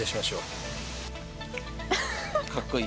かっこいい。